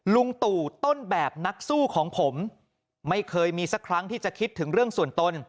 ลุงตู่ต้นแบบนักสู้ของผมไม่เคยมีสักครั้งที่จะคิดถึงเรื่องส่วนตน